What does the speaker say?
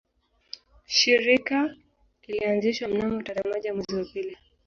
Shirika lilianzishwa mnamo tarehe moja mwezi wa pili